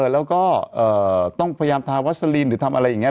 แล้วก็ต้องพยายามทาวัสลีนหรือทำอะไรอย่างนี้